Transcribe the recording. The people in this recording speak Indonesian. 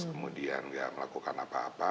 kemudian nggak melakukan apa apa